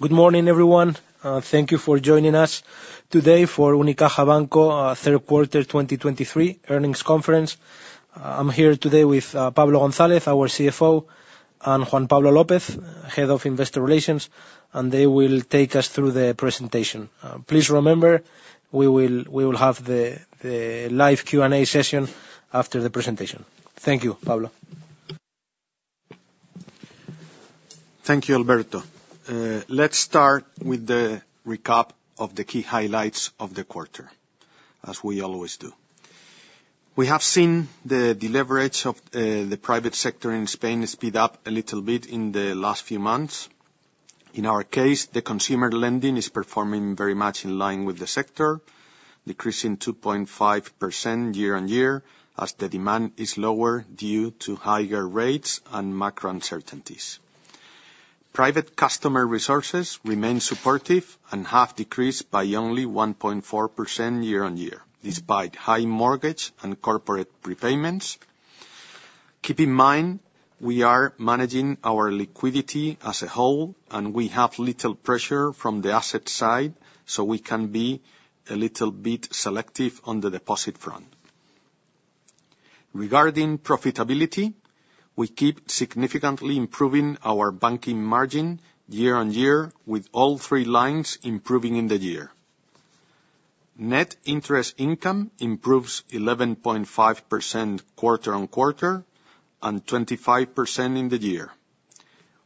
Good morning, everyone. Thank you for joining us today for Unicaja Banco third quarter 2023 earnings conference. I'm here today with Pablo González, our CFO, and Juan Pablo López, Head of Investor Relations, and they will take us through the presentation. Please remember, we will have the live Q&A session after the presentation. Thank you, Pablo. Thank you, Alberto. Let's start with the recap of the key highlights of the quarter, as we always do. We have seen the deleverage of the private sector in Spain speed up a little bit in the last few months. In our case, the consumer lending is performing very much in line with the sector, decreasing 2.5% year-on-year, as the demand is lower due to higher rates and macro uncertainties. Private customer resources remain supportive and have decreased by only 1.4% year-on-year, despite high mortgage and corporate prepayments. Keep in mind, we are managing our liquidity as a whole, and we have little pressure from the asset side, so we can be a little bit selective on the deposit front. Regarding profitability, we keep significantly improving our banking margin year-on-year, with all three lines improving in the year. Net interest income improves 11.5% quarter-on-quarter, and 25% in the year.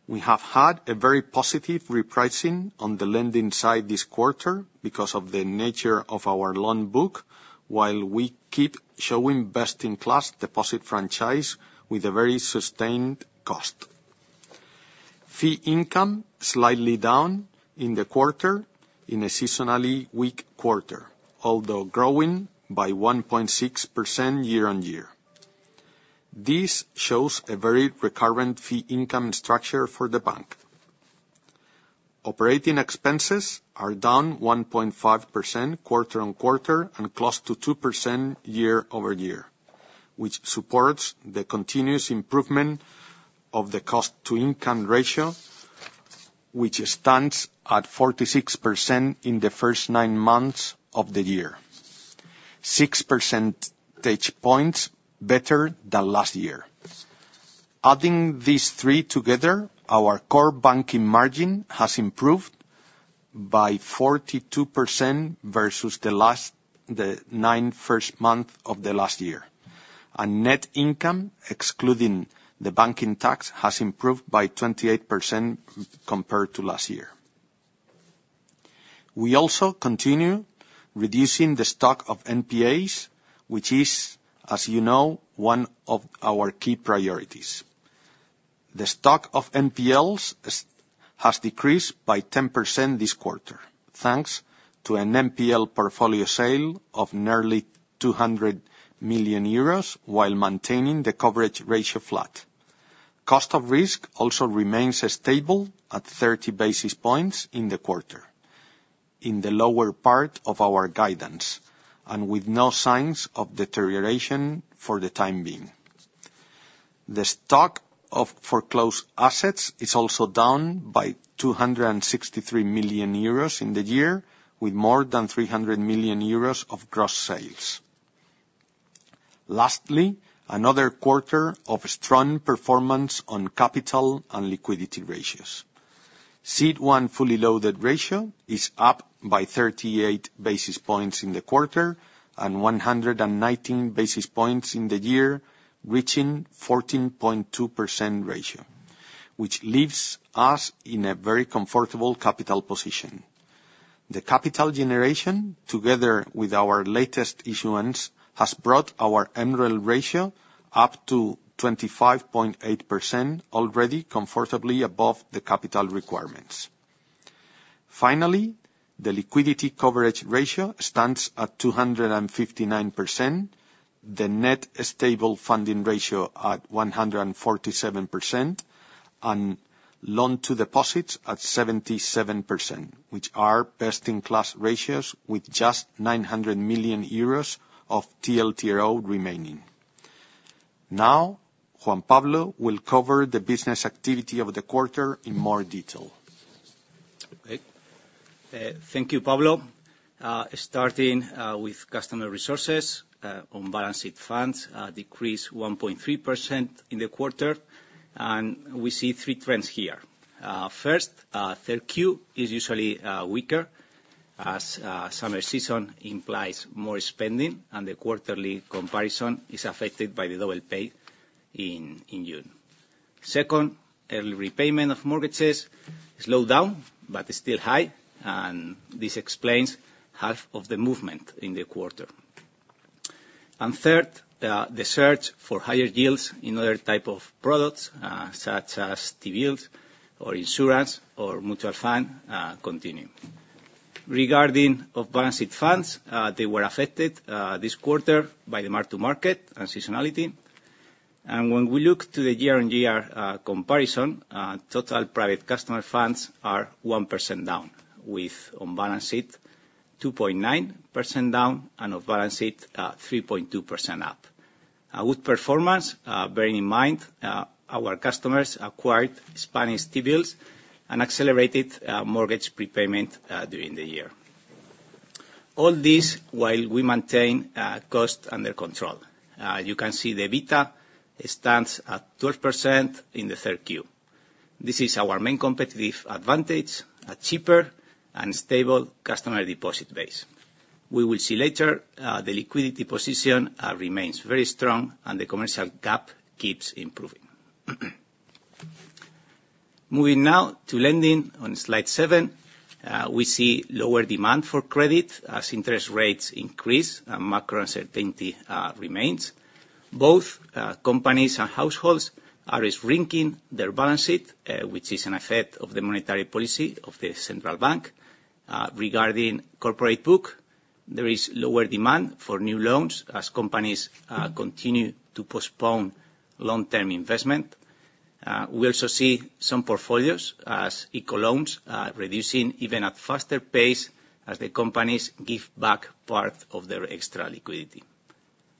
We have had a very positive repricing on the lending side this quarter because of the nature of our loan book, while we keep showing best-in-class deposit franchise with a very sustained cost. Fee income slightly down in the quarter, in a seasonally weak quarter, although growing by 1.6% year-on-year. This shows a very recurrent fee income structure for the bank. Operating expenses are down 1.5% quarter-on-quarter, and close to 2% year-over-year, which supports the continuous improvement of the cost-to-income ratio, which stands at 46% in the first nine months of the year. 6 percentage points better than last year. Adding these three together, our core banking margin has improved by 42% versus the first nine months of last year. Net income, excluding the banking tax, has improved by 28% compared to last year. We also continue reducing the stock of NPLs, which is, as you know, one of our key priorities. The stock of NPLs has decreased by 10% this quarter, thanks to an NPL portfolio sale of nearly 200 million euros, while maintaining the coverage ratio flat. Cost of risk also remains stable at 30 basis points in the quarter, in the lower part of our guidance, and with no signs of deterioration for the time being. The stock of foreclosed assets is also down by 263 million euros in the year, with more than 300 million euros of gross sales. Lastly, another quarter of strong performance on capital and liquidity ratios. CET1 fully loaded ratio is up by 38 basis points in the quarter, and 119 basis points in the year, reaching 14.2% ratio, which leaves us in a very comfortable capital position. The capital generation, together with our latest issuance, has brought our MREL ratio up to 25.8%, already comfortably above the capital requirements. Finally, the liquidity coverage ratio stands at 259%, the net stable funding ratio at 147%, and loan to deposits at 77%, which are best-in-class ratios, with just 900 million euros of TLTRO remaining. Now, Juan Pablo will cover the business activity of the quarter in more detail. Great. Thank you, Pablo. Starting with customer resources, on balance sheet funds decreased 1.3% in the quarter, and we see three trends here. First, Q3 is usually weaker, as summer season implies more spending, and the quarterly comparison is affected by the lower pay in June. Second, early repayment of mortgages slowed down, but is still high, and this explains half of the movement in the quarter. And third, the search for higher yields in other type of products, such as T-Bills, or insurance, or mutual fund, continue. Regarding off-balance sheet funds, they were affected this quarter by the mark-to-market and seasonality. When we look to the year-on-year comparison, total private customer funds are 1% down, with on-balance sheet 2.9% down, and off-balance sheet 3.2% up. A good performance, bearing in mind our customers acquired Spanish T-Bills and accelerated mortgage prepayment during the year. All this while we maintain cost under control. You can see the EBITDA stands at 12% in the third Q. This is our main competitive advantage, a cheaper and stable customer deposit base. We will see later the liquidity position remains very strong, and the commercial gap keeps improving. Moving now to lending on Slide 7, we see lower demand for credit as interest rates increase and macro uncertainty remains. Both companies and households are shrinking their balance sheet, which is an effect of the monetary policy of the central bank. Regarding corporate book, there is lower demand for new loans as companies continue to postpone long-term investment. We also see some portfolios as ICO loans reducing even at faster pace as the companies give back part of their extra liquidity.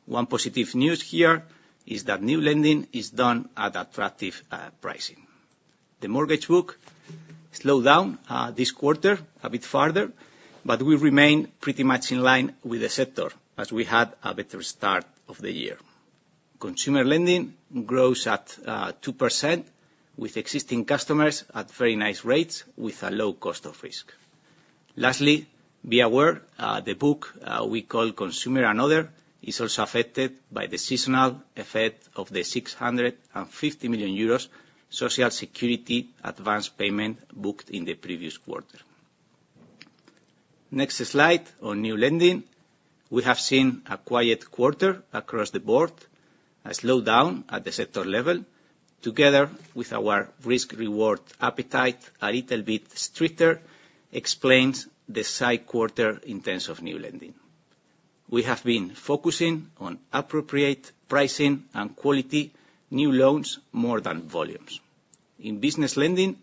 One positive news here is that new lending is done at attractive pricing. The mortgage book slowed down this quarter a bit farther, but we remain pretty much in line with the sector as we had a better start of the year. Consumer lending grows at 2% with existing customers at very nice rates, with a low cost of risk. Lastly, be aware, the book we call consumer and other is also affected by the seasonal effect of the 650 million euros Social Security advance payment booked in the previous quarter. Next slide, on new lending, we have seen a quiet quarter across the board, a slowdown at the sector level, together with our risk-reward appetite, a little bit stricter, explains this quarter in terms of new lending. We have been focusing on appropriate pricing and quality, new loans, more than volumes. In business lending,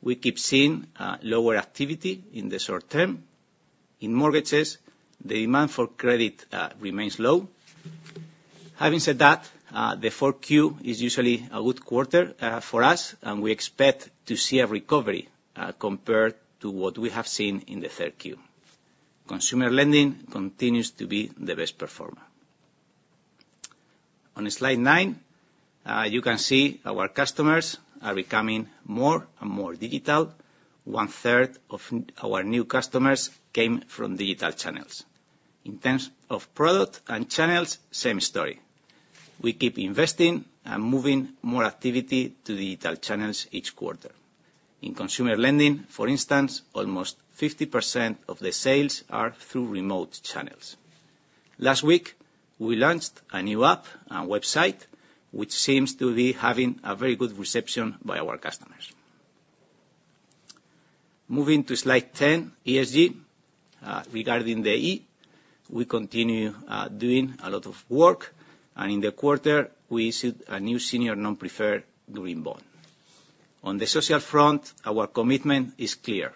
we keep seeing lower activity in the short term. In mortgages, the demand for credit remains low. Having said that, the fourth Q is usually a good quarter for us, and we expect to see a recovery compared to what we have seen in the third Q. Consumer lending continues to be the best performer. On Slide 9, you can see our customers are becoming more and more digital. One-third of our new customers came from digital channels. In terms of product and channels, same story. We keep investing and moving more activity to digital channels each quarter. In consumer lending, for instance, almost 50% of the sales are through remote channels. Last week, we launched a new app and website, which seems to be having a very good reception by our customers. Moving to Slide 10, ESG. Regarding the E, we continue doing a lot of work, and in the quarter, we issued a new Senior Non-Preferred Green Bond. On the social front, our commitment is clear.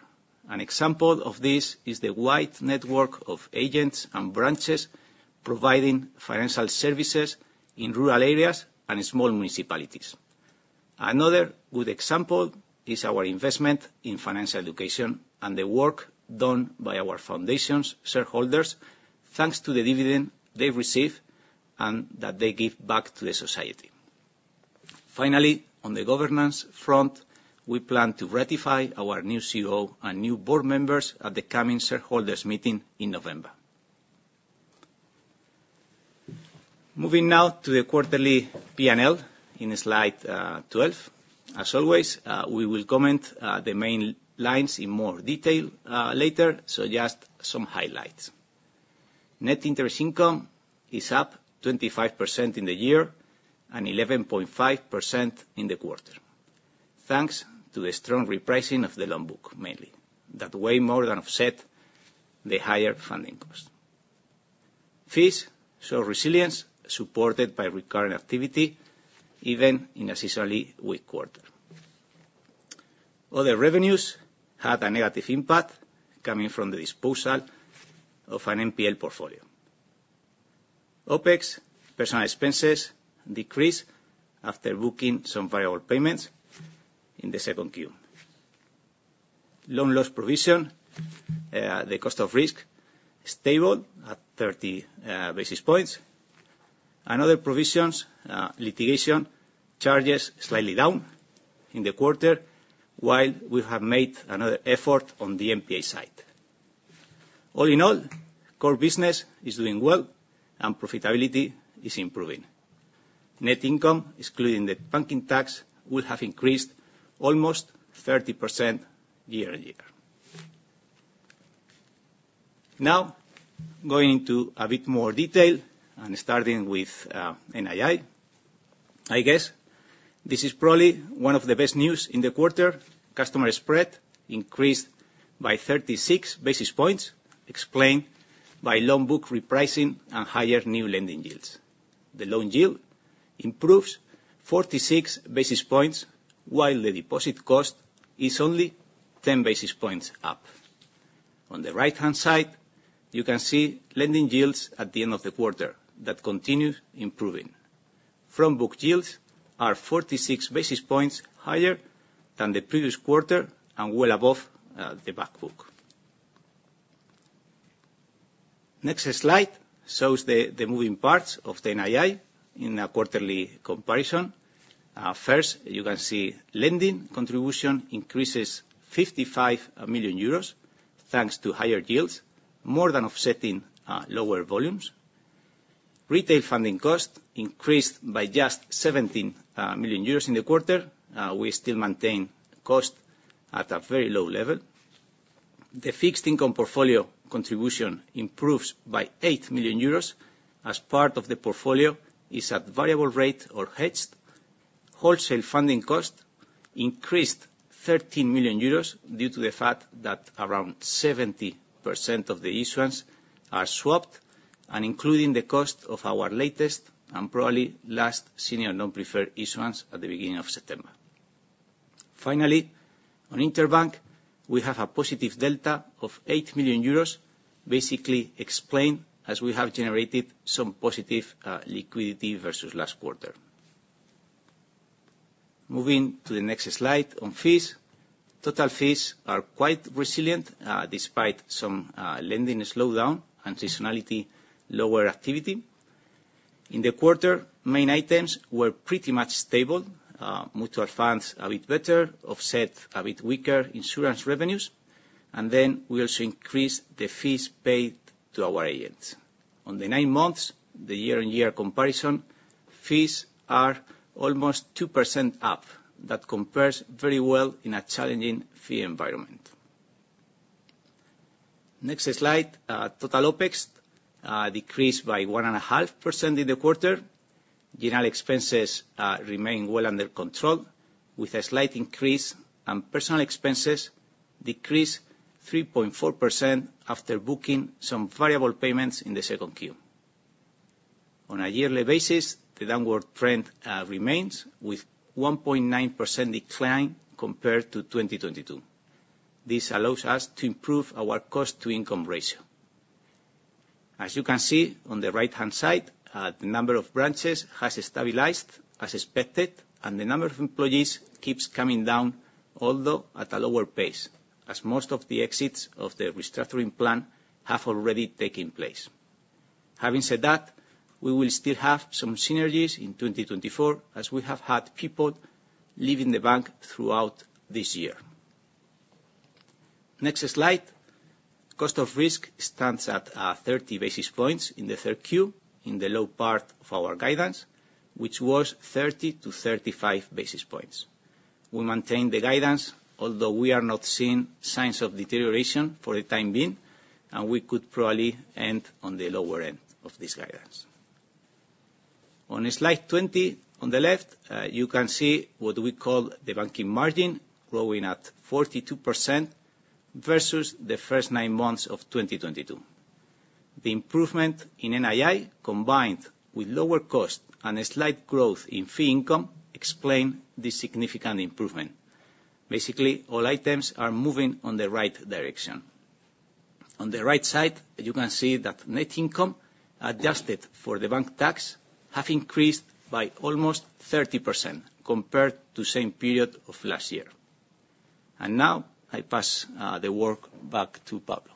An example of this is the wide network of agents and branches providing financial services in rural areas and in small municipalities. Another good example is our investment in financial education and the work done by our foundations shareholders, thanks to the dividend they've received, and that they give back to the society. Finally, on the governance front, we plan to ratify our new CEO and new board members at the coming shareholders meeting in November. Moving now to the quarterly P&L in slide 12. As always, we will comment the main lines in more detail later, so just some highlights. Net interest income is up 25% in the year and 11.5% in the quarter, thanks to the strong repricing of the loan book, mainly. That way, more than offset the higher funding cost. Fees show resilience supported by recurring activity, even in a seasonally weak quarter. Other revenues had a negative impact coming from the disposal of an NPL portfolio. OpEx personnel expenses decreased after booking some variable payments in the second Q. Loan loss provision, the cost of risk, stable at 30 basis points. Other provisions, litigation charges, slightly down in the quarter, while we have made another effort on the NPA side. All in all, core business is doing well, and profitability is improving. Net income, excluding the banking tax, will have increased almost 30% year-on-year. Now, going into a bit more detail and starting with NII, I guess this is probably one of the best news in the quarter. Customer spread increased by 36 basis points, explained by loan book repricing and higher new lending yields. The loan yield improves 46 basis points, while the deposit cost is only 10 basis points up. On the right-hand side, you can see lending yields at the end of the quarter that continued improving. Front book yields are 46 basis points higher than the previous quarter and well above the back book. Next slide shows the moving parts of the NII in a quarterly comparison. First, you can see lending contribution increases 55 million euros, thanks to higher yields, more than offsetting lower volumes. Retail funding costs increased by just 17 million euros in the quarter. We still maintain cost at a very low level. The fixed income portfolio contribution improves by 8 million euros, as part of the portfolio is at variable rate or hedged. Wholesale funding cost increased 13 million euros due to the fact that around 70% of the issuance are swapped, and including the cost of our latest and probably last Senior Non-Preferred issuance at the beginning of September. Finally, on interbank, we have a positive delta of 8 million euros, basically explained as we have generated some positive liquidity versus last quarter. Moving to the next slide, on fees. Total fees are quite resilient despite some lending slowdown and seasonality, lower activity. In the quarter, main items were pretty much stable. Mutual funds a bit better, offset a bit weaker insurance revenues, and then we also increased the fees paid to our agents. On the nine months, the year-on-year comparison, fees are almost 2% up. That compares very well in a challenging fee environment. Next slide, total OpEx decreased by 1.5% in the quarter. General expenses remain well under control, with a slight increase, and personal expenses decreased 3.4% after booking some variable payments in the second Q. On a yearly basis, the downward trend remains, with 1.9% decline compared to 2022. This allows us to improve our cost-to-income ratio. As you can see on the right-hand side, the number of branches has stabilized as expected, and the number of employees keeps coming down, although at a lower pace, as most of the exits of the restructuring plan have already taken place. Having said that, we will still have some synergies in 2024, as we have had people leaving the bank throughout this year. Next slide. Cost of risk stands at 30 basis points in the third Q, in the low part of our guidance, which was 30-35 basis points. We maintain the guidance, although we are not seeing signs of deterioration for the time being, and we could probably end on the lower end of this guidance. On slide 20, on the left, you can see what we call the banking margin, growing at 42% versus the first nine months of 2022. The improvement in NII, combined with lower cost and a slight growth in fee income, explain this significant improvement. Basically, all items are moving on the right direction. On the right side, you can see that net income, adjusted for the bank tax, have increased by almost 30% compared to same period of last year. And now, I pass the work back to Pablo.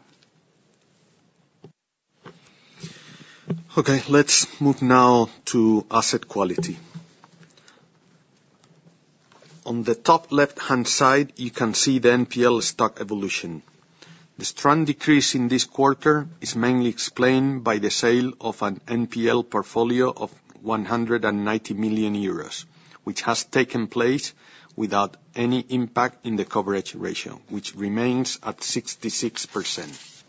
Okay, let's move now to asset quality. On the top left-hand side, you can see the NPL stock evolution. The strong decrease in this quarter is mainly explained by the sale of an NPL portfolio of 190 million euros, which has taken place without any impact in the coverage ratio, which remains at 66%.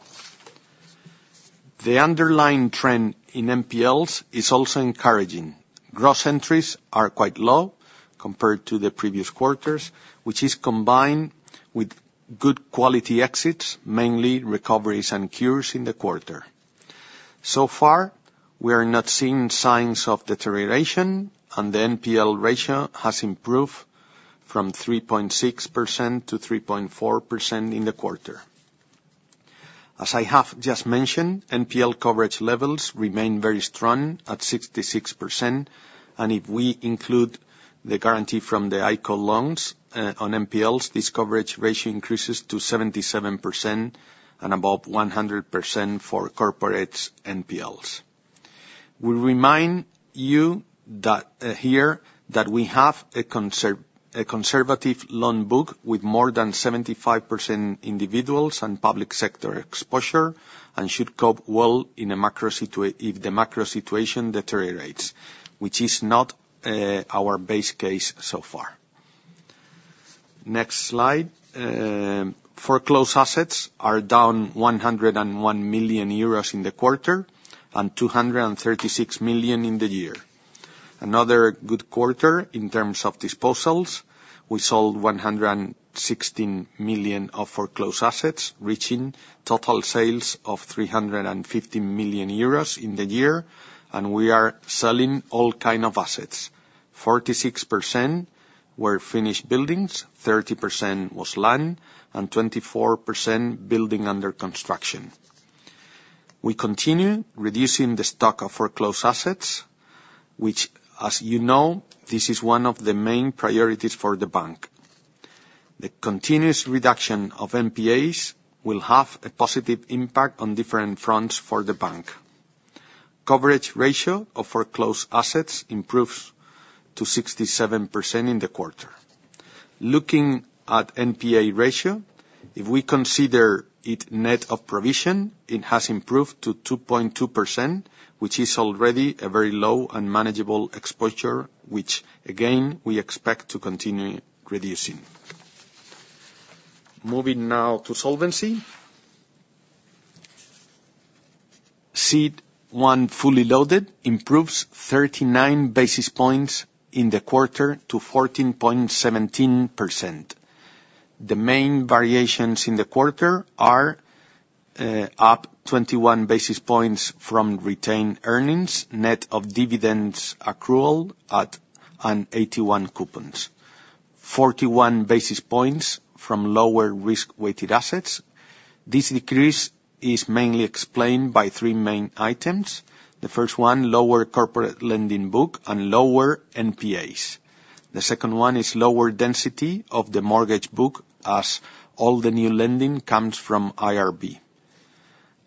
The underlying trend in NPLs is also encouraging. Gross entries are quite low compared to the previous quarters, which is combined with good quality exits, mainly recoveries and cures in the quarter. So far, we are not seeing signs of deterioration, and the NPL ratio has improved from 3.6% to 3.4% in the quarter. As I have just mentioned, NPL coverage levels remain very strong at 66%, and if we include the guarantee from the ICO loans on NPLs, this coverage ratio increases to 77% and above 100% for corporates NPLs. We remind you that here that we have a conservative loan book with more than 75% individuals and public sector exposure, and should cope well if the macro situation deteriorates, which is not our base case so far. Next slide. Foreclosed assets are down 101 million euros in the quarter, and 236 million in the year. Another good quarter in terms of disposals. We sold 116 million of foreclosed assets, reaching total sales of 350 million euros in the year, and we are selling all kind of assets.... 46% were finished buildings, 30% was land, and 24% building under construction. We continue reducing the stock of foreclosed assets, which, as you know, this is one of the main priorities for the bank. The continuous reduction of NPAs will have a positive impact on different fronts for the bank. Coverage ratio of foreclosed assets improves to 67% in the quarter. Looking at NPA ratio, if we consider it net of provision, it has improved to 2.2%, which is already a very low and manageable exposure, which again, we expect to continue reducing. Moving now to solvency. CET1 fully loaded improves 39 basis points in the quarter to 14.17%. The main variations in the quarter are up 21 basis points from retained earnings, net of dividends accrual at on AT1 coupons. 41 basis points from lower risk-weighted assets. This decrease is mainly explained by three main items. The first one, lower corporate lending book and lower NPAs. The second one is lower density of the mortgage book, as all the new lending comes from IRB.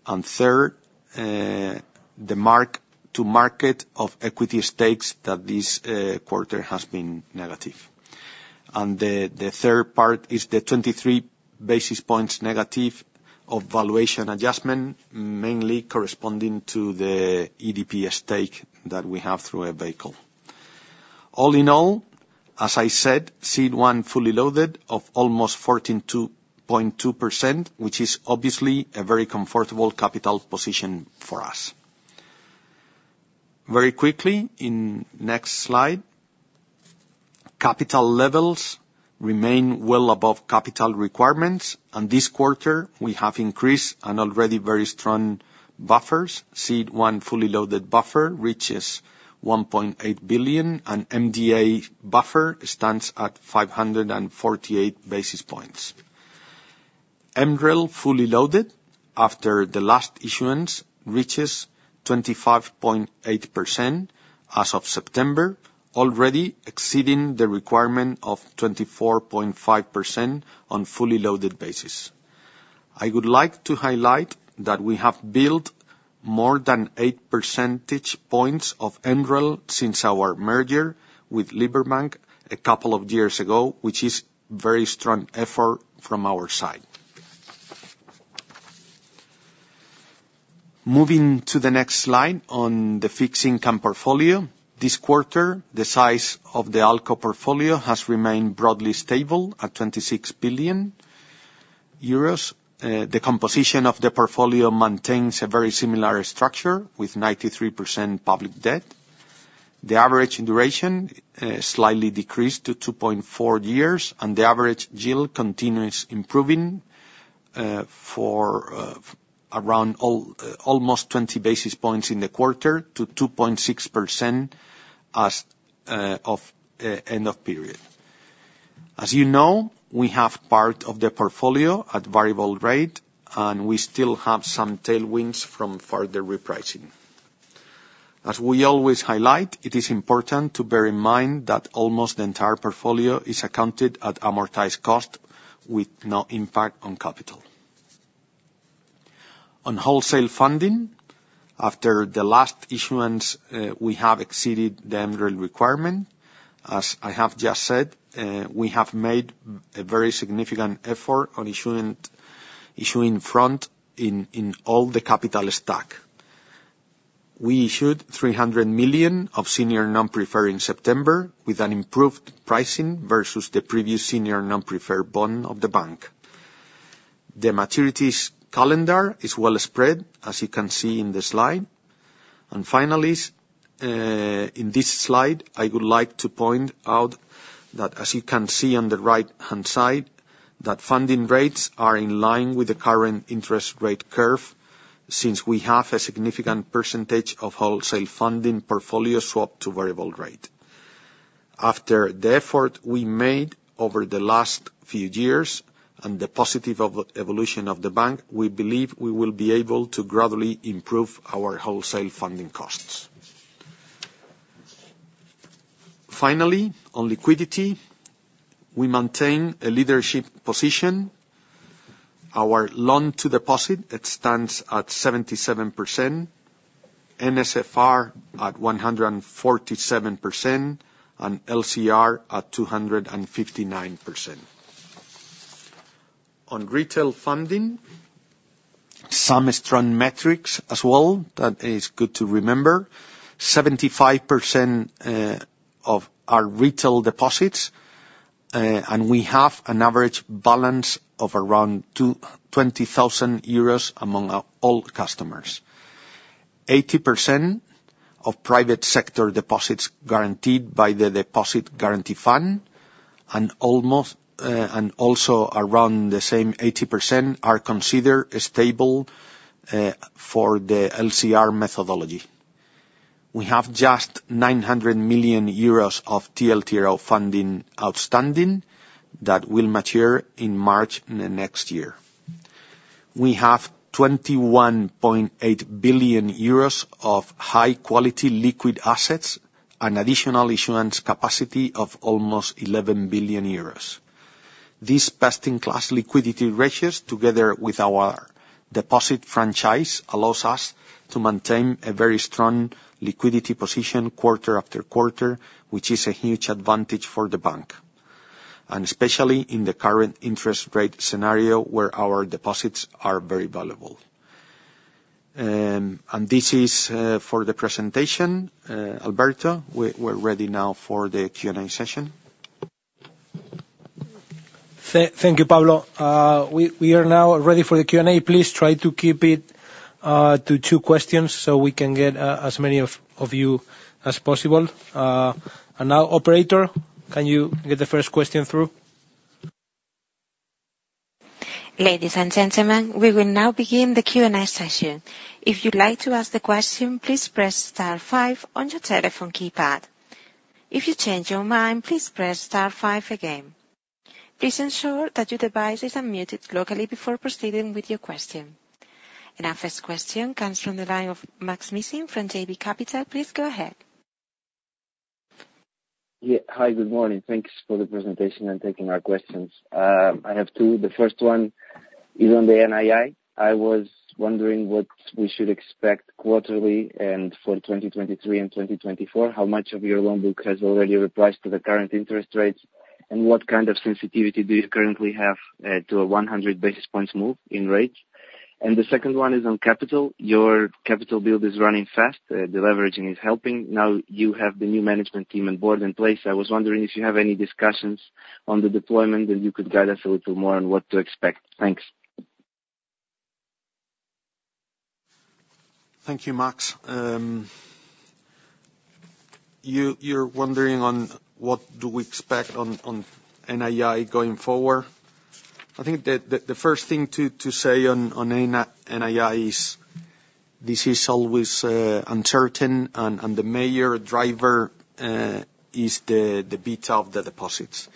And third, the mark-to-market of equity stakes that this quarter has been negative. And the third part is the -23 basis points of valuation adjustment, mainly corresponding to the EDP stake that we have through a vehicle. All in all, as I said, CET1 fully loaded of almost 14.2%, which is obviously a very comfortable capital position for us. Very quickly, in next slide, capital levels remain well above capital requirements, and this quarter we have increased an already very strong buffers. CET1 fully loaded buffer reaches 1.8 billion, and MDA buffer stands at 548 basis points. MREL, fully loaded, after the last issuance, reaches 25.8% as of September, already exceeding the requirement of 24.5% on fully loaded basis. I would like to highlight that we have built more than 8 percentage points of MREL since our merger with Liberbank a couple of years ago, which is very strong effort from our side. Moving to the next slide on the fixed income portfolio. This quarter, the size of the ALCO portfolio has remained broadly stable at 26 billion euros. The composition of the portfolio maintains a very similar structure, with 93% public debt. The average duration slightly decreased to 2.4 years, and the average yield continues improving, for around almost 20 basis points in the quarter to 2.6% as of end of period. As you know, we have part of the portfolio at variable rate, and we still have some tailwinds from further repricing. As we always highlight, it is important to bear in mind that almost the entire portfolio is accounted at amortized cost, with no impact on capital. On wholesale funding, after the last issuance, we have exceeded the MREL requirement. As I have just said, we have made a very significant effort on issuing, issuing front in all the capital stack. We issued 300 million of senior non-preferred in September, with an improved pricing versus the previous senior non-preferred bond of the bank. The maturities calendar is well spread, as you can see in the slide. And finally, in this slide, I would like to point out that, as you can see on the right-hand side, that funding rates are in line with the current interest rate curve, since we have a significant percentage of wholesale funding portfolio swap to variable rate. After the effort we made over the last few years and the positive of evolution of the bank, we believe we will be able to gradually improve our wholesale funding costs. Finally, on liquidity, we maintain a leadership position. Our loan-to-deposit, it stands at 77%, NSFR at 147%, and LCR at 259%. On retail funding, some strong metrics as well, that is good to remember: 75%, of our retail deposits, and we have an average balance of around 20,000 euros among our all customers. 80% of private sector deposits guaranteed by the Deposit Guarantee Fund, and almost, and also around the same 80% are considered stable, for the LCR methodology. We have just 900 million euros of TLTRO funding outstanding, that will mature in March in the next year. We have 21.8 billion euros of high quality liquid assets, an additional issuance capacity of almost 11 billion euros. These best-in-class liquidity ratios, together with our deposit franchise, allows us to maintain a very strong liquidity position quarter after quarter, which is a huge advantage for the bank, and especially in the current interest rate scenario, where our deposits are very valuable. This is for the presentation. Alberto, we're ready now for the Q&A session. Thank you, Pablo. We are now ready for the Q&A. Please try to keep it to two questions so we can get as many of you as possible. And now, operator, can you get the first question through? Ladies and gentlemen, we will now begin the Q&A session. If you'd like to ask the question, please press star five on your telephone keypad. If you change your mind, please press star five again. Please ensure that your device is unmuted locally before proceeding with your question. Our first question comes from the line of Maks Mishyn from JB Capital. Please go ahead. Yeah. Hi, good morning. Thanks for the presentation and taking our questions. I have two. The first one is on the NII. I was wondering what we should expect quarterly, and for 2023 and 2024. How much of your loan book has already replaced to the current interest rates, and what kind of sensitivity do you currently have, to a 100 basis points move in rates? And the second one is on capital. Your capital build is running fast, the leveraging is helping. Now, you have the new management team and board in place. I was wondering if you have any discussions on the deployment, and you could guide us a little more on what to expect. Thanks. Thank you, Maks. You're wondering what we expect on NII going forward? I think the first thing to say on NII is, this is always uncertain, and the major driver is the beta of the deposits.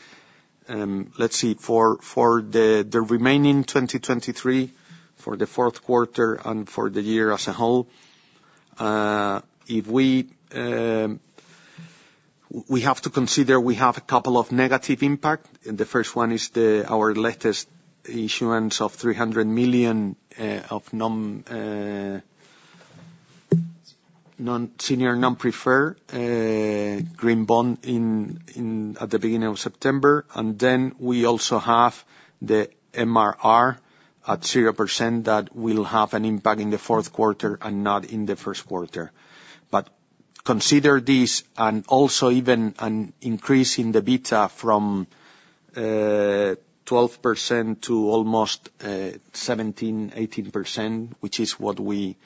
Let's see, for the remaining 2023, for the fourth quarter, and for the year as a whole, if we... We have to consider we have a couple of negative impact, and the first one is our latest issuance of 300 million of Senior Non-Preferred Green Bond at the beginning of September. And then we also have the MRR at 0% that will have an impact in the fourth quarter and not in the first quarter. But consider this, and also even an increase in the beta from 12% to almost 17%-18%, which is what we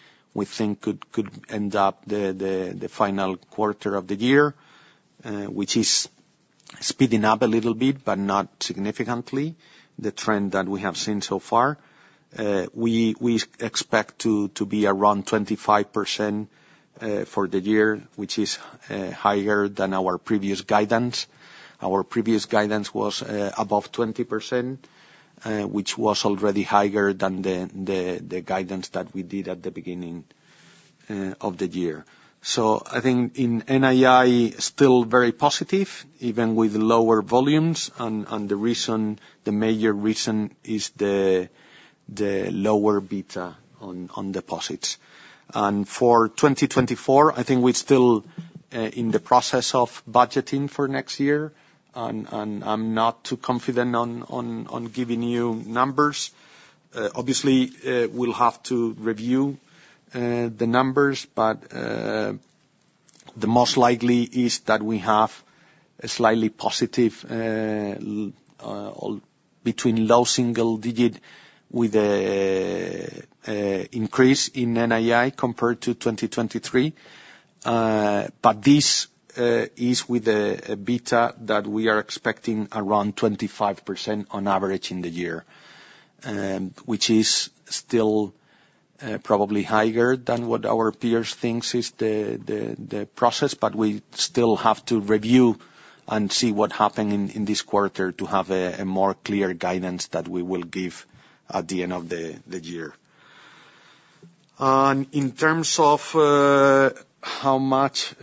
think could end up the final quarter of the year. Which is speeding up a little bit, but not significantly, the trend that we have seen so far. We expect to be around 25% for the year, which is higher than our previous guidance. Our previous guidance was above 20%, which was already higher than the guidance that we did at the beginning of the year. So I think in NII, still very positive, even with lower volumes. And the reason, the major reason is the lower beta on deposits. For 2024, I think we're still in the process of budgeting for next year. I'm not too confident on giving you numbers. Obviously, we'll have to review the numbers, but the most likely is that we have a slightly positive between low single digit with a increase in NII compared to 2023. But this is with a beta that we are expecting around 25% on average in the year. Which is still probably higher than what our peers thinks is the process, but we still have to review and see what happened in this quarter to have a more clear guidance that we will give at the end of the year. In terms of how much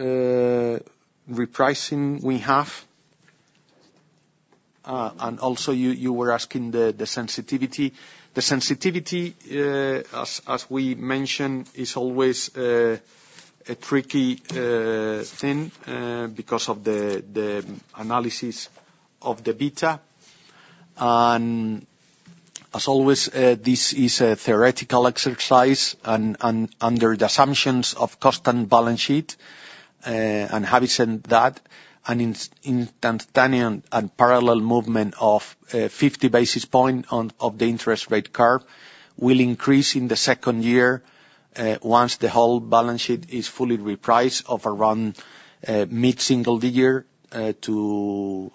repricing we have, and also you were asking the sensitivity. The sensitivity, as we mentioned, is always a tricky thing because of the analysis of the beta. And as always, this is a theoretical exercise and under the assumptions of cost and balance sheet, and having said that, an instantaneous and parallel movement of 50 basis points on the interest rate curve will increase in the second year, once the whole balance sheet is fully repriced of around mid-single digit to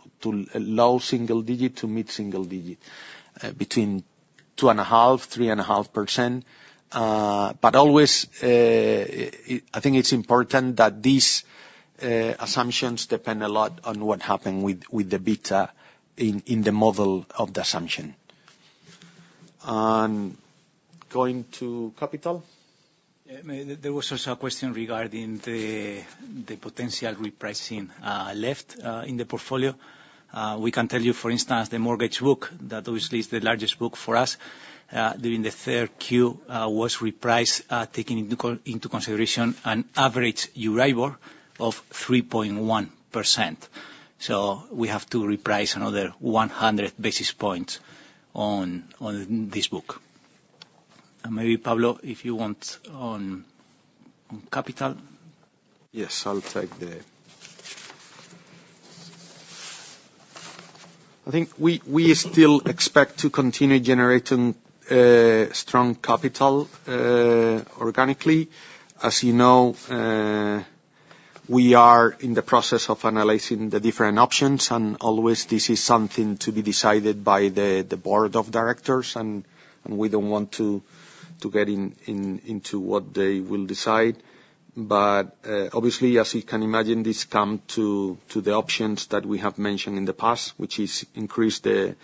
low single digit to mid-single digit, between 2.5% and 3.5%. But always, I think it's important that these assumptions depend a lot on what happened with the beta in the model of the assumption. And going to capital? Yeah, there was also a question regarding the potential repricing left in the portfolio. We can tell you, for instance, the mortgage book, that obviously is the largest book for us, during the third Q, was repriced, taking into consideration an average Euribor of 3.1%. So we have to reprice another 100 basis points on this book. And maybe Pablo, if you want, on capital. Yes, I'll take the... I think we still expect to continue generating, you know, strong capital organically. As you know, we are in the process of analyzing the different options, and always, this is something to be decided by the board of directors, and we don't want to get into what they will decide. Obviously, as you can imagine, this comes to the options that we have mentioned in the past, which is increase the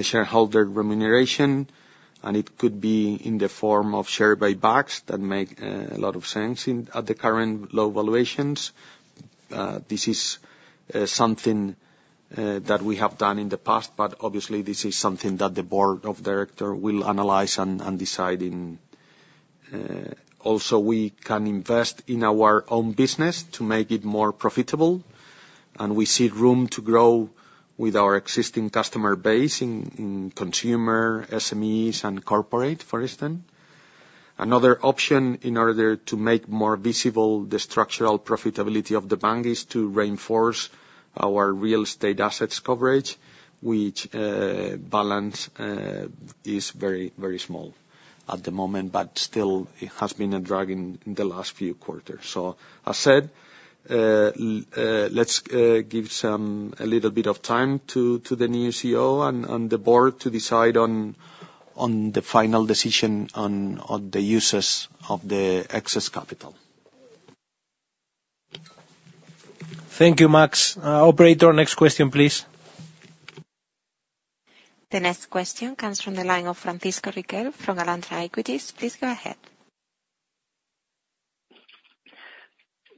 shareholder remuneration, and it could be in the form of share buybacks. That makes a lot of sense at the current low valuations. This is something that we have done in the past, but obviously this is something that the board of directors will analyze and decide in. Also, we can invest in our own business to make it more profitable, and we see room to grow with our existing customer base in consumer, SMEs, and corporate, for instance. Another option, in order to make more visible the structural profitability of the bank, is to reinforce our real estate assets coverage, which balance is very, very small at the moment, but still, it has been a drag in the last few quarters. So as said, let's give some a little bit of time to the new CEO and the board to decide on the final decision on the uses of the excess capital. Thank you, Maks. Operator, next question, please. The next question comes from the line of Francisco Riquel from Alantra Equities. Please go ahead.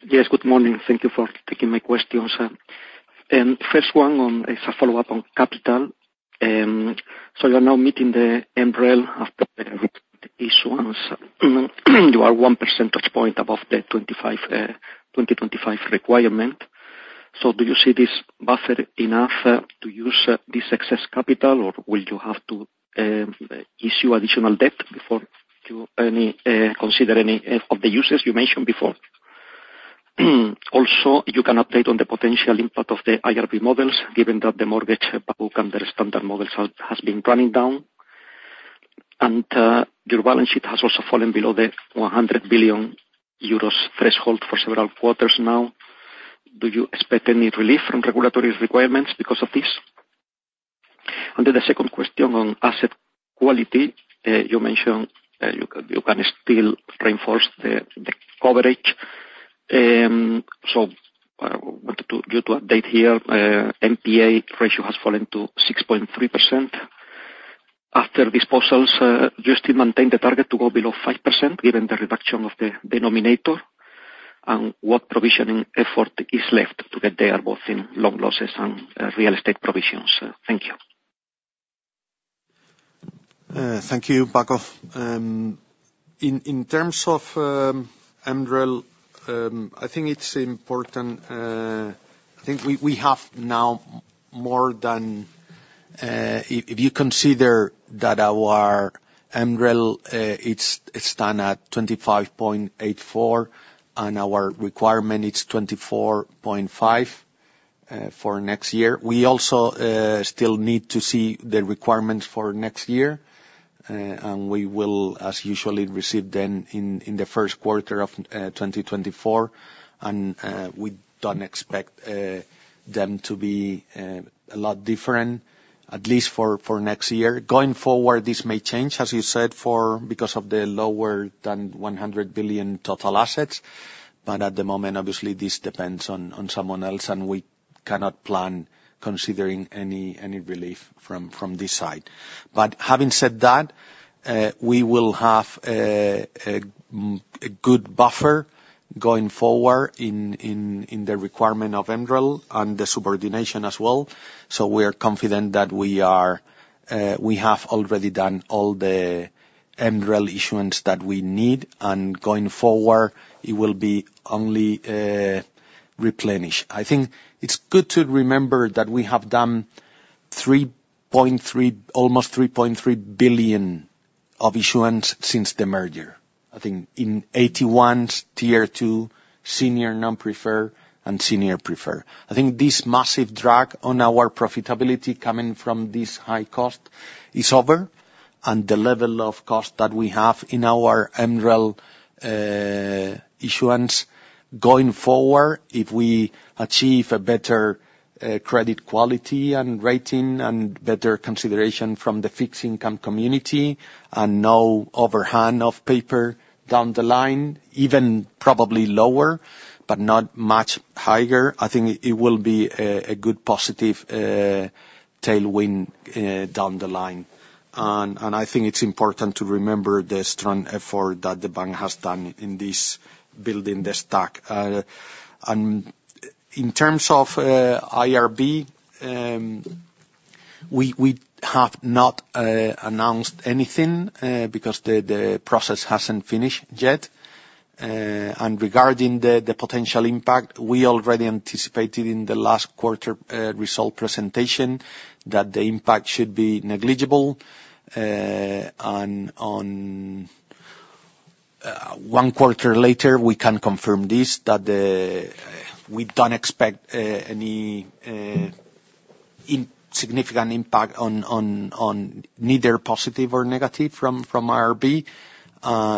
Yes, good morning. Thank you for taking my questions. First one on is a follow-up on capital. So you're now meeting the MREL after the issuance. You are 1 percentage point above the 25, 2025 requirement. So do you see this buffer enough to use this excess capital, or will you have to issue additional debt before you any consider any of the uses you mentioned before? Also, you can update on the potential impact of the IRB models, given that the mortgage book under standard models has been running down, and your balance sheet has also fallen below the 100 billion euros threshold for several quarters now. Do you expect any relief from regulatory requirements because of this? Then the second question on asset quality. You mentioned you can still reinforce the coverage. So I wanted to get to update here. NPA ratio has fallen to 6.3%. After disposals, do you still maintain the target to go below 5%, given the reduction of the denominator? And what provisioning effort is left to get there, both in loan losses and real estate provisions? Thank you. Thank you back off. In terms of MREL, I think it's important, I think we have now more than, if you consider that our MREL, it's done at 25.84, and our requirement, it's 24.5 for next year. We also still need to see the requirements for next year, and we will, as usually, receive them in the first quarter of 2024, and we don't expect them to be a lot different, at least for next year. Going forward, this may change, as you said, because of the lower than 100 billion total assets. At the moment, obviously, this depends on someone else, and we cannot plan, considering any relief from this side. Having said that, we will have a good buffer going forward in the requirement of MREL and the subordination as well. We are confident that we have already done all the MREL issuance that we need, and going forward, it will be only replenish. I think it's good to remember that we have done 3.3 billion, almost 3.3 billion of issuance since the merger, I think in AT1, Tier 2, senior non-preferred, and senior preferred. I think this massive drag on our profitability coming from this high cost is over, and the level of cost that we have in our MREL issuance... Going forward, if we achieve a better credit quality and rating, and better consideration from the fixed income community, and no overhang of paper down the line, even probably lower, but not much higher, I think it will be a good positive tailwind down the line. And I think it's important to remember the strong effort that the bank has done in this building the stock. And in terms of IRB, we have not announced anything because the process hasn't finished yet. And regarding the potential impact, we already anticipated in the last quarter result presentation that the impact should be negligible. And one quarter later, we can confirm this, that we don't expect any insignificant impact on neither positive or negative from IRB.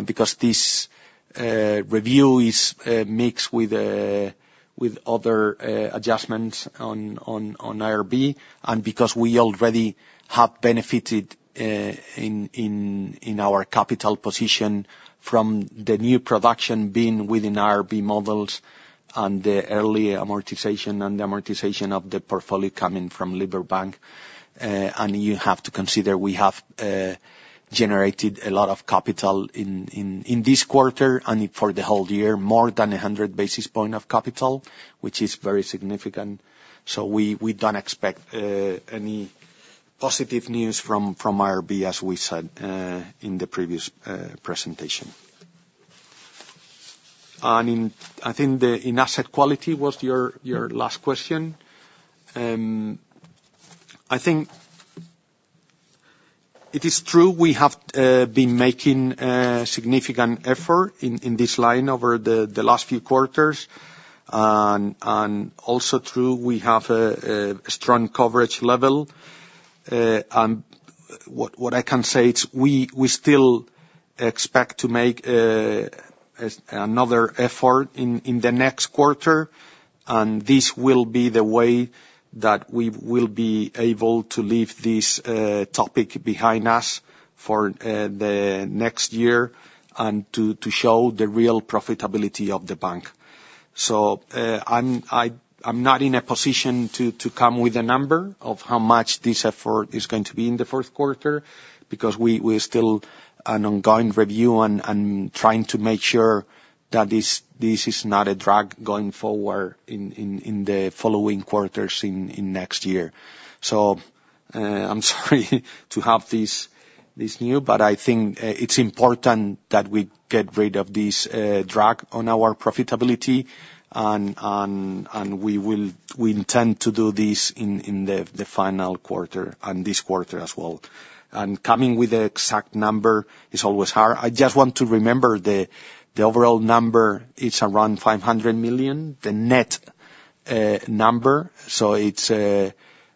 Because this review is mixed with other adjustments on IRB, and because we already have benefited in our capital position from the new production being within IRB models, and the early amortization and the amortization of the portfolio coming from Liberbank. And you have to consider, we have generated a lot of capital in this quarter, and for the whole year, more than 100 basis point of capital, which is very significant. So we don't expect any positive news from IRB, as we said in the previous presentation. And I think in asset quality was your last question? I think it is true, we have been making significant effort in this line over the last few quarters. And also true, we have a strong coverage level. And what I can say, it's we still expect to make another effort in the next quarter, and this will be the way that we will be able to leave this topic behind us for the next year, and to show the real profitability of the bank. So, I'm not in a position to come with a number of how much this effort is going to be in the fourth quarter, because we're still an ongoing review and trying to make sure that this is not a drag going forward in the following quarters in next year. So, I'm sorry to have this, this new, but I think it's important that we get rid of this drag on our profitability. We intend to do this in the final quarter, and this quarter as well. Coming with the exact number is always hard. I just want to remember the overall number, it's around 500 million, the net number. So it's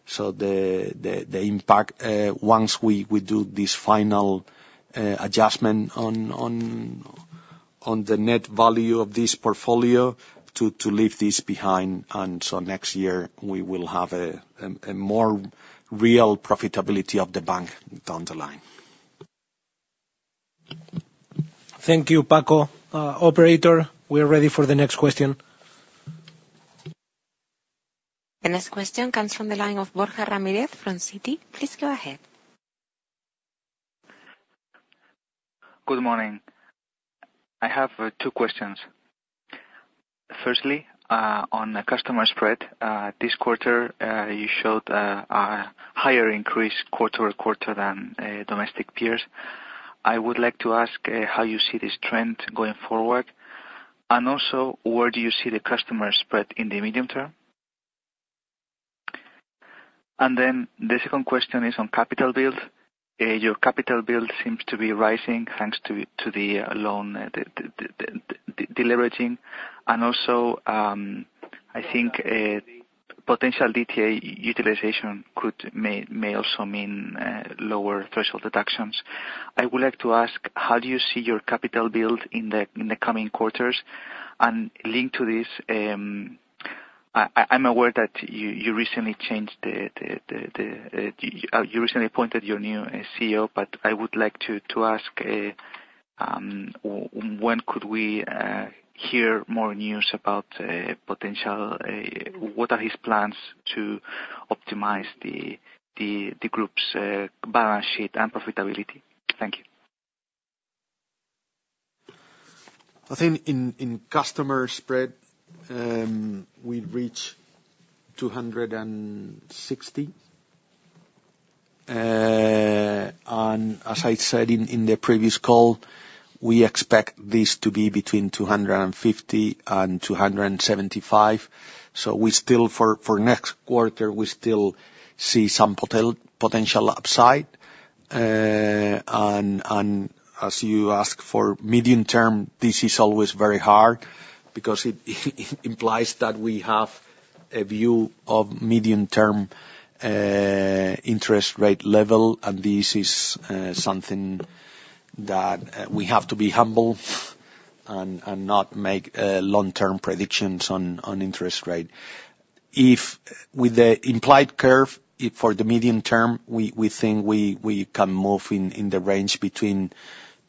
so the impact once we do this final adjustment on the net value of this portfolio to leave this behind, and so next year we will have a more real profitability of the bank down the line. Thank you, Pablo. Operator, we're ready for the next question. The next question comes from the line of Borja Ramírez from Citi. Please go ahead. Good morning. I have two questions. Firstly, on the customer spread, this quarter, you showed a higher increase quarter-to-quarter than domestic peers. I would like to ask how you see this trend going forward, and also, where do you see the customer spread in the medium term? And then the second question is on capital build. Your capital build seems to be rising, thanks to the loan deleveraging. And also, I think potential DTA utilization could may also mean lower threshold deductions. I would like to ask: How do you see your capital build in the coming quarters? And linked to this, I'm aware that you recently appointed your new CEO, but I would like to ask, when could we hear more news about potential... What are his plans to optimize the group's balance sheet and profitability? Thank you. I think in customer spread, we've reached 260, and as I said in the previous call, we expect this to be between 250 and 275. So we still for next quarter, we still see some potential upside. And as you ask for medium term, this is always very hard, because it implies that we have a view of medium-term interest rate level, and this is that we have to be humble and not make long-term predictions on interest rate. If with the implied curve, if for the medium term, we think we can move in the range between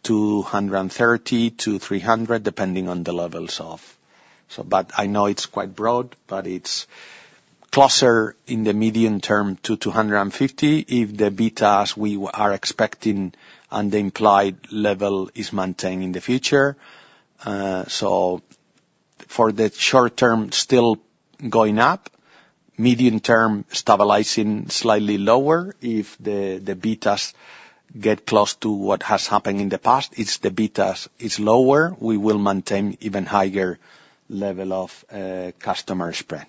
230-300, depending on the levels of. I know it's quite broad, but it's closer in the medium term to 250 if the betas we are expecting and the implied level is maintained in the future. For the short term, still going up, medium term, stabilizing slightly lower. If the betas get close to what has happened in the past, if the betas is lower, we will maintain even higher level of customer spread.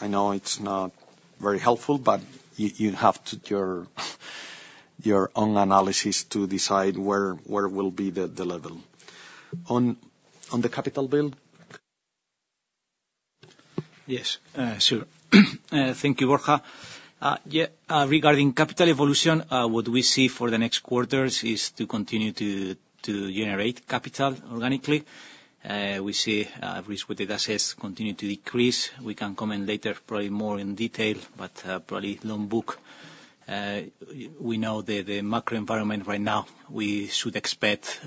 I know it's not very helpful, but you have to do your own analysis to decide where will be the level. On the capital build? Yes, sure. Thank you, Borja. Yeah, regarding capital evolution, what we see for the next quarters is to continue to generate capital organically. We see risk-weighted assets continue to decrease. We can comment later, probably more in detail, but probably loan book. We know the macro environment right now, we should expect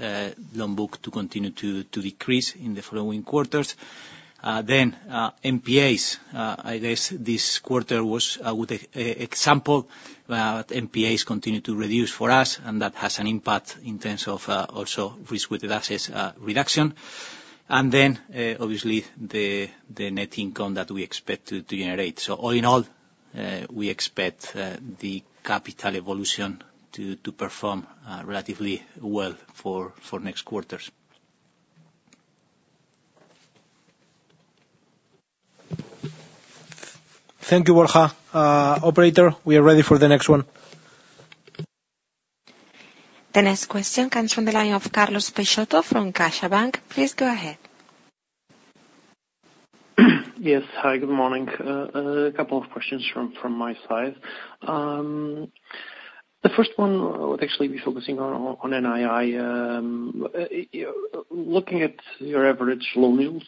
loan book to continue to decrease in the following quarters. Then, NPAs, I guess this quarter was, for example, NPAs continued to reduce for us, and that has an impact in terms of also risk-weighted assets reduction. And then, obviously, the net income that we expect to generate. So all in all, we expect the capital evolution to perform relatively well for next quarters. Thank you, Borja. Operator, we are ready for the next one. The next question comes from the line of Carlos Peixoto from CaixaBank. Please go ahead. Yes, hi, good morning. A couple of questions from my side. The first one would actually be focusing on NII. Looking at your average loan yields,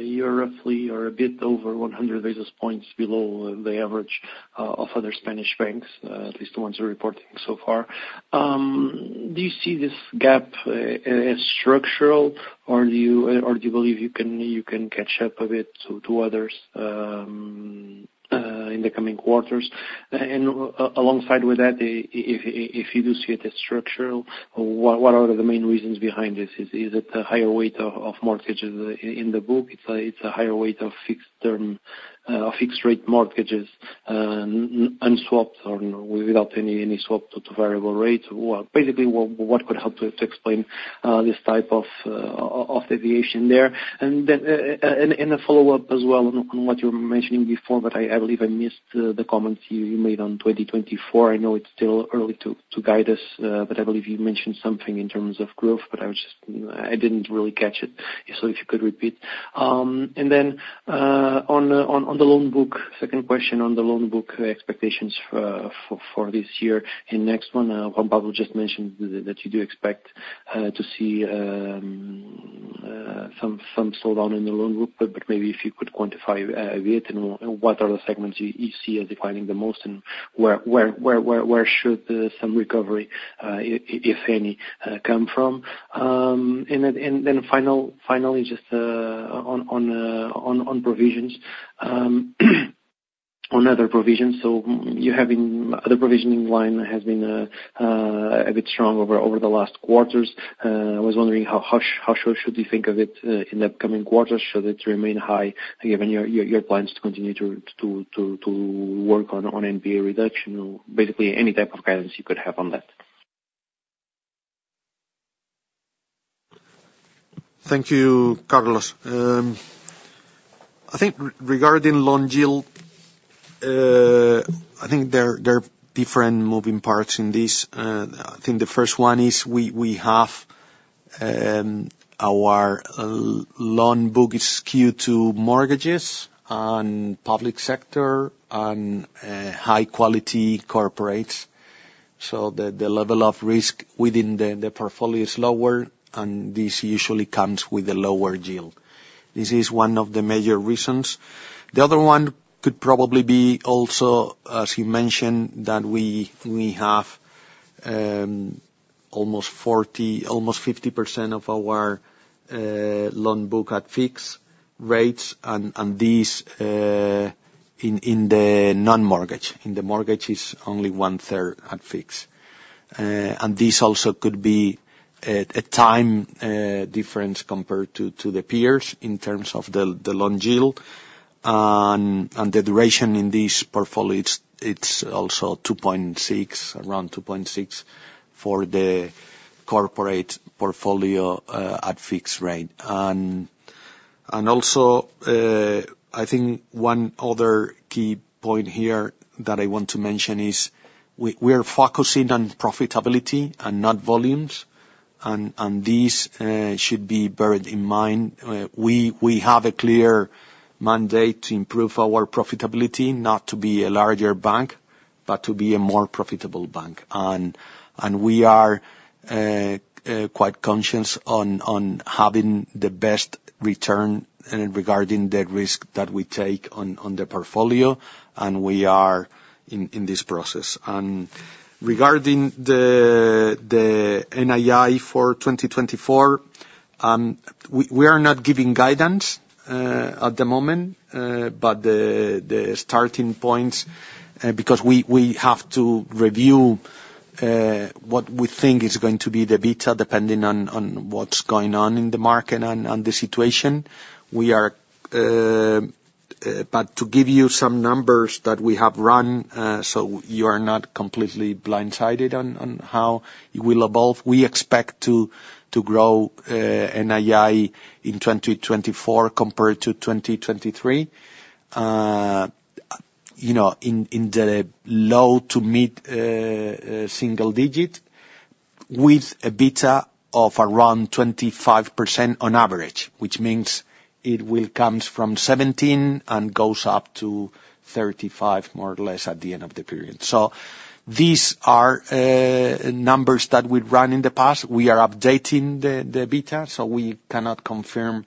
you're roughly or a bit over 100 basis points below the average of other Spanish banks, at least the ones who are reporting so far. Do you see this gap as structural, or do you believe you can catch up a bit to others in the coming quarters? And alongside with that, if you do see it as structural, what are the main reasons behind this? Is it a higher weight of mortgages in the book? It's a higher weight of fixed-term, fixed-rate mortgages, and swaps or without any swap to variable rate? What, basically, could help to explain this type of deviation there? And then, and a follow-up as well on what you were mentioning before, but I believe I missed the comments you made on 2024. I know it's still early to guide us, but I believe you mentioned something in terms of growth, but I was just... I didn't really catch it. So if you could repeat. And then, on the loan book, second question on the loan book expectations for this year and next one. Juan Pablo just mentioned that you do expect to see some slowdown in the loan book, but maybe if you could quantify a bit, and what are the segments you see as declining the most, and where should some recovery, if any, come from? And then finally, just on provisions, on other provisions. So your other provisioning line has been a bit strong over the last quarters. I was wondering how sure should we think of it in the upcoming quarters? Should it remain high, given your plans to continue to work on NPA reduction? Basically, any type of guidance you could have on that. Thank you, Carlos. I think regarding loan yield, I think there are different moving parts in this. I think the first one is we have our loan book is skewed to mortgages and public sector and high-quality corporates, so the level of risk within the portfolio is lower, and this usually comes with a lower yield. This is one of the major reasons. The other one could probably be also, as you mentioned, that we have almost 40, almost 50% of our loan book at fixed rates, and these in the non-mortgage. In the mortgage, it's only 1/3 at fixed. And this also could be a time difference compared to the peers in terms of the loan yield. The duration in this portfolio, it's also 2.6, around 2.6, for the corporate portfolio at fixed rate. I think one other key point here that I want to mention is we are focusing on profitability and not volumes.... This should bear it in mind. We have a clear mandate to improve our profitability, not to be a larger bank, but to be a more profitable bank. We are quite conscious on having the best return regarding the risk that we take on the portfolio, and we are in this process. And regarding the NII for 2024, we are not giving guidance at the moment, but the starting points, because we have to review what we think is going to be the beta, depending on what's going on in the market and the situation. But to give you some numbers that we have run, so you are not completely blindsided on how it will evolve, we expect to grow NII in 2024 compared to 2023. You know, in the low-to-mid single digit, with a beta of around 25% on average, which means it will comes from 17% and goes up to 35%, more or less, at the end of the period. So these are numbers that we'd run in the past. We are updating the beta, so we cannot confirm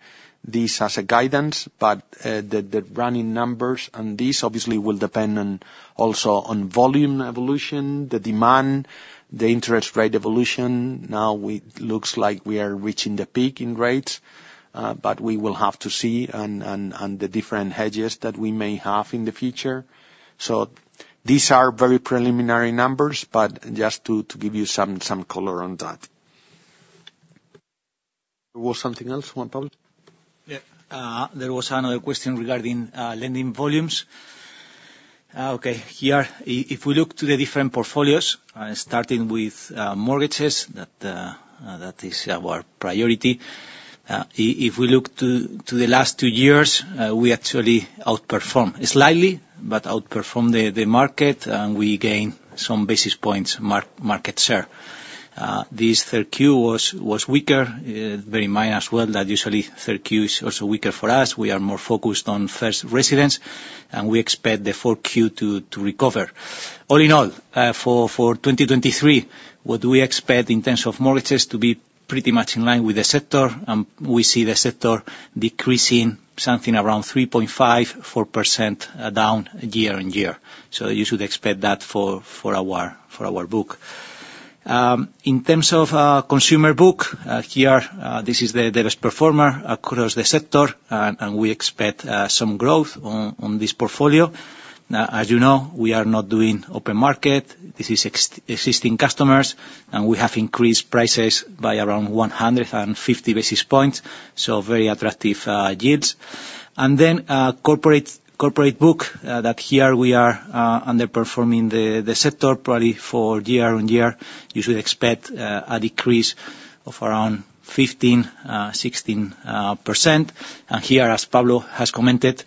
this as a guidance, but the running numbers, and this obviously will depend on also on volume evolution, the demand, the interest rate evolution. Now it looks like we are reaching the peak in rates, but we will have to see on the different hedges that we may have in the future. So these are very preliminary numbers, but just to give you some color on that. There was something else, Juan Pablo? Yeah. There was another question regarding lending volumes. Okay, here, if we look to the different portfolios, starting with mortgages, that is our priority. If we look to the last two years, we actually outperform, slightly, but outperform the market, and we gain some basis points market share. This third Q was weaker, very minor as well, but usually third Q is also weaker for us. We are more focused on first residents, and we expect the fourth Q to recover. All in all, for 2023, what do we expect in terms of mortgages? To be pretty much in line with the sector, and we see the sector decreasing something around 3.5%-4%, down year-on-year. So you should expect that for our book. In terms of consumer book, here this is the best performer across the sector, and we expect some growth on this portfolio. Now, as you know, we are not doing open market. This is existing customers, and we have increased prices by around 150 basis points, so very attractive yields. And then, corporate book, that here we are underperforming the sector, probably for year-on-year. You should expect a decrease of around 15%, 16%. And here, as Pablo has commented,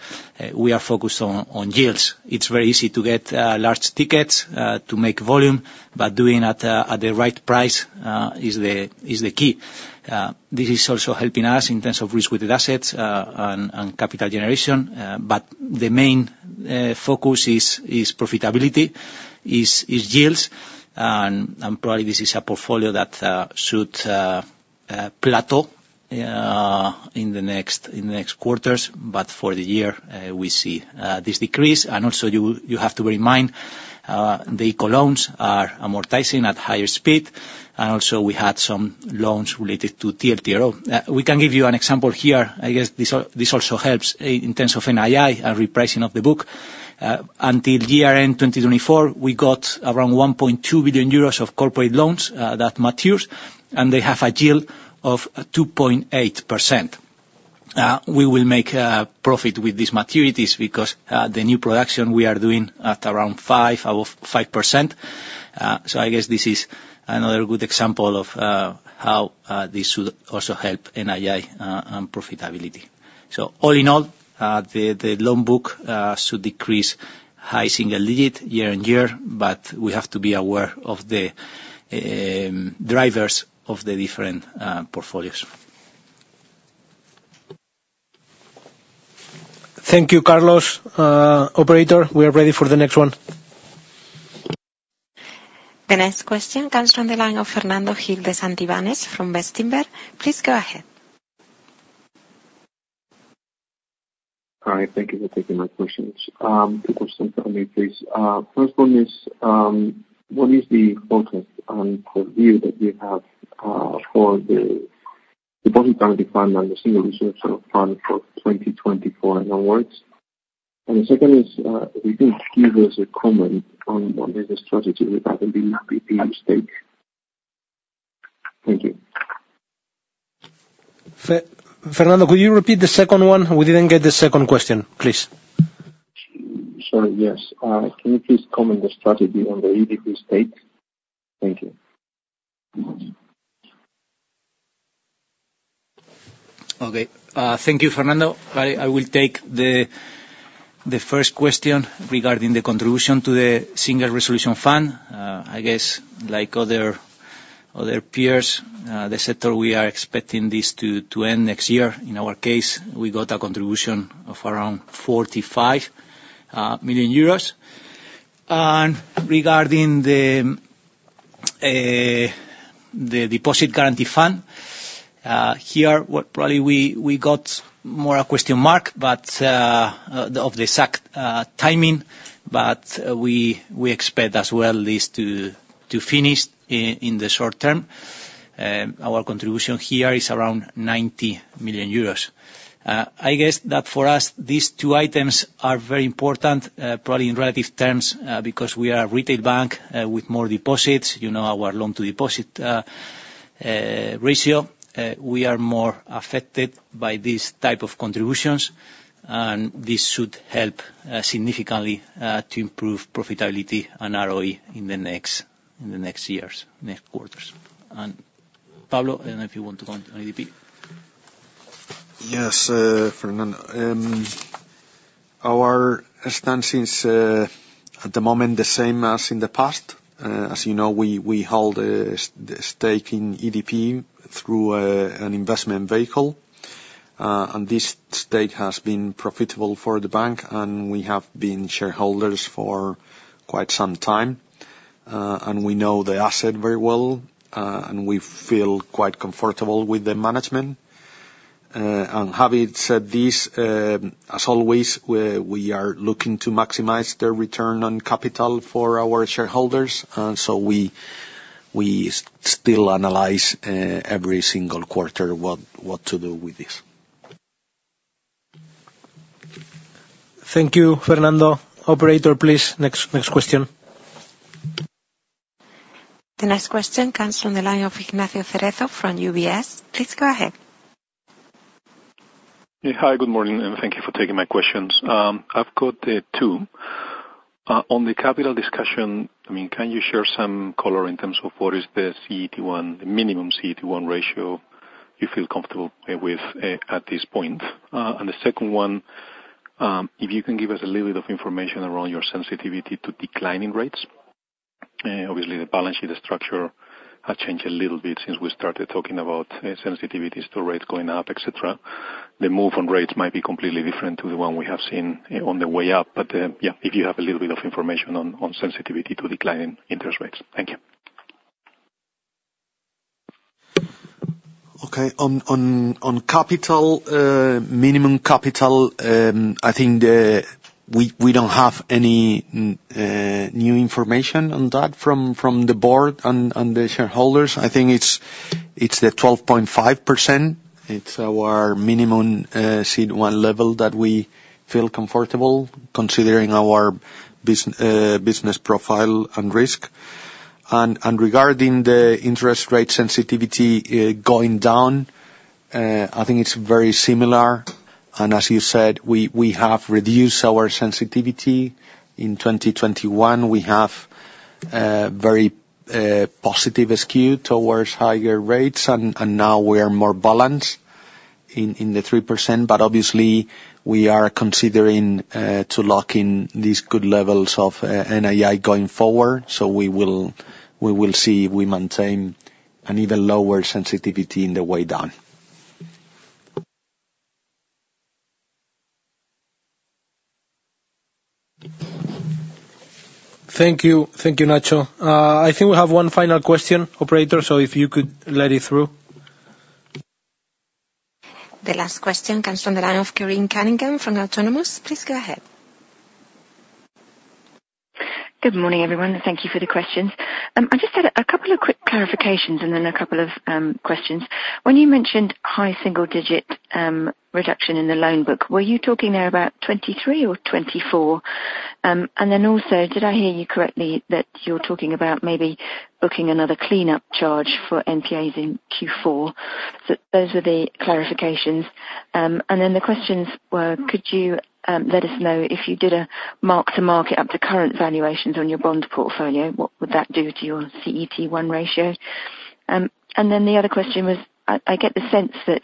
we are focused on yields. It's very easy to get large tickets to make volume, but doing at the right price is the key. This is also helping us in terms of risk-weighted assets, and capital generation, but the main focus is profitability, is yields, and probably this is a portfolio that should plateau in the next quarters. But for the year, we see this decrease. And also, you have to bear in mind, the ICO Loans are amortizing at higher speed, and also we had some loans related to TLTRO. We can give you an example here. I guess this also helps in terms of NII and repricing of the book. Until year-end 2024, we got around 1.2 billion euros of corporate loans that matures, and they have a yield of 2.8%. We will make profit with these maturities because the new production we are doing at around 5.5%. So I guess this is another good example of how this should also help NII and profitability. So all in all, the loan book should decrease high single digit year-on-year, but we have to be aware of the drivers of the different portfolios. Thank you, Carlos. Operator, we are ready for the next one. The next question comes from the line of Fernando Gil de Santivañes from Bestinver. Please go ahead. Hi, thank you for taking my questions. Two questions for me, please. First one is, what is the focus on the view that you have, for the bottom line plan and the Single Resolution Fund for 2024 and onwards? And the second is, if you can give us a comment on what is the strategy regarding the EDP stake? Thank you. Fernando, could you repeat the second one? We didn't get the second question. Please. Sorry, yes. Can you please comment the strategy on the EDP stake? Thank you. Okay. Thank you, Fernando. I will take the first question regarding the contribution to the Single Resolution Fund. I guess, like other peers, et cetera, we are expecting this to end next year. In our case, we got a contribution of around 45 million euros. And regarding the Deposit Guarantee Fund, here, what probably we got more a question mark, but of the exact timing, but we expect, as well, this to finish in the short term. Our contribution here is around 90 million euros. I guess that for us, these two items are very important, probably in relative terms, because we are a retail bank with more deposits. You know, our loan-to-deposit ratio, we are more affected by these type of contributions, and this should help significantly to improve profitability and ROE in the next, in the next years, next quarters. And Pablo, I don't know if you want to comment on EDP. Yes, Fernando. Our stance is, at the moment, the same as in the past. As you know, we hold a stake in EDP through an investment vehicle. And this stake has been profitable for the bank, and we have been shareholders for quite some time, and we know the asset very well, and we feel quite comfortable with the management. And having said this, as always, we are looking to maximize the return on capital for our shareholders, and so we still analyze every single quarter what to do with this. Thank you, Fernando. Operator, please, next, next question. The next question comes from the line of Ignacio Cerezo from UBS. Please go ahead. Yeah, hi, good morning, and thank you for taking my questions. I've got two. On the capital discussion, I mean, can you share some color in terms of what is the CET1 minimum CET1 ratio you feel comfortable with at this point? And the second one, if you can give us a little bit of information around your sensitivity to declining rates. Obviously the balance sheet, the structure, has changed a little bit since we started talking about sensitivities to rates going up, et cetera. The move on rates might be completely different to the one we have seen on the way up, but yeah, if you have a little bit of information on sensitivity to declining interest rates. Thank you. Okay. On capital, minimum capital, I think we don't have any new information on that from the board and the shareholders. I think it's the 12.5%. It's our minimum CET1 level that we feel comfortable, considering our business profile and risk. And regarding the interest rate sensitivity, going down, I think it's very similar, and as you said, we have reduced our sensitivity. In 2021, we have very positive SKU towards higher rates, and now we are more balanced in the 3%. But obviously, we are considering to lock in these good levels of NII going forward, so we will see if we maintain an even lower sensitivity on the way down. Thank you. Thank you, Nacho. I think we have one final question, operator, so if you could let it through. The last question comes from the line of Corinne Cunningham from Autonomous. Please go ahead. Good morning, everyone, and thank you for the questions. I just had a couple of quick clarifications and then a couple of questions. When you mentioned high single digit reduction in the loan book, were you talking there about 23 or 24? And then also, did I hear you correctly that you're talking about maybe booking another cleanup charge for NPAs in Q4? So those are the clarifications. And then the questions were: could you let us know if you did a mark-to-market up to current valuations on your bond portfolio, what would that do to your CET1 ratio? And then the other question was, I get the sense that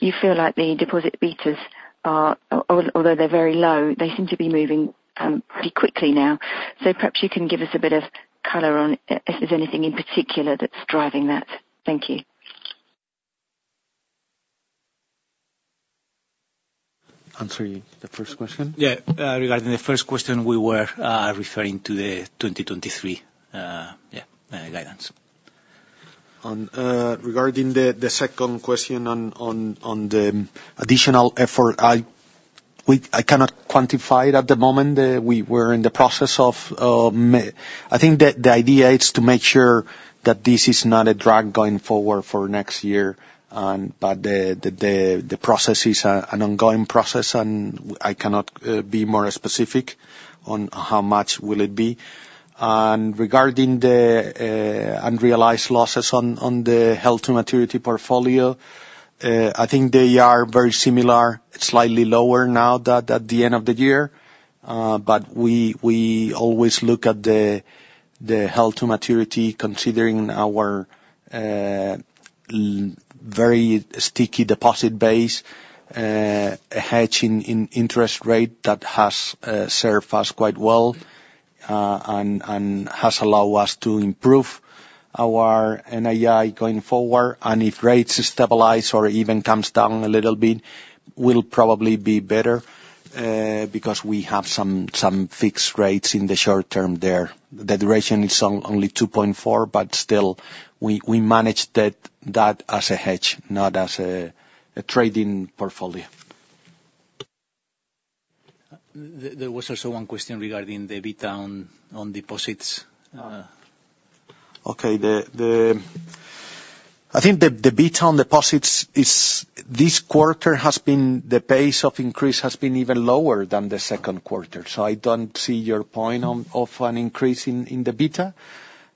you feel like the deposit betas are, although they're very low, they seem to be moving pretty quickly now. Perhaps you can give us a bit of color on if there's anything in particular that's driving that? Thank you. Answer the first question? Yeah, regarding the first question, we were referring to the 2023 guidance. And, regarding the second question on the additional effort, I cannot quantify it at the moment. We were in the process of. I think the idea is to make sure that this is not a drag going forward for next year, but the process is an ongoing process, and I cannot be more specific on how much will it be. And regarding the unrealized losses on the held-to-maturity portfolio, I think they are very similar, slightly lower now than at the end of the year. But we always look at the held-to-maturity, considering our very sticky deposit base, a hedge in interest rate that has served us quite well, and has allowed us to improve our NII going forward. And if rates stabilize or even comes down a little bit, we'll probably be better, because we have some fixed rates in the short term there. The duration is only 2.4, but still, we manage that as a hedge, not as a trading portfolio. There was also one question regarding the beta on deposits. Okay. I think the beta on deposits this quarter has been, the pace of increase has been even lower than the second quarter. So I don't see your point on an increase in the beta.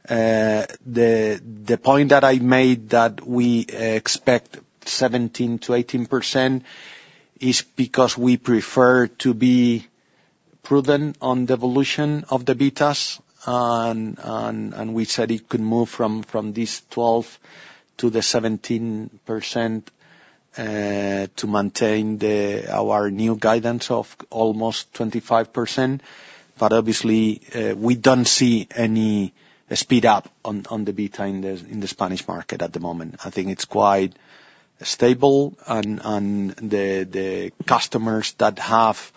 The point that I made that we expect 17%-18% is because we prefer to be prudent on the evolution of the betas. And we said it could move from this 12% to 17%, to maintain our new guidance of almost 25%. But obviously, we don't see any speed up on the beta in the Spanish market at the moment. I think it's quite stable, and the customers that have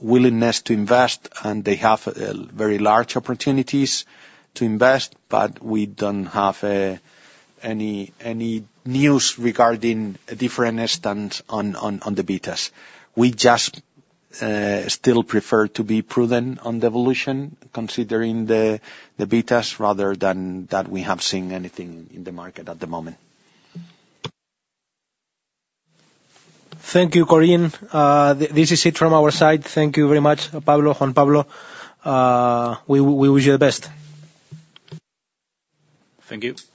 willingness to invest, and they have very large opportunities to invest, but we don't have any news regarding a different stance on the betas. We just still prefer to be prudent on the evolution, considering the betas, rather than that we have seen anything in the market at the moment. Thank you, Corinne. This is it from our side. Thank you very much, Pablo, Juan Pablo. We wish you the best. Thank you.